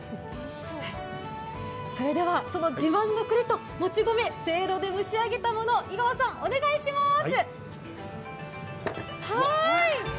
それでは、その自慢のくりともち米せいろで蒸し上げたもの井川さん、願いします。